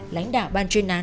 lãnh đạo ban chuyên án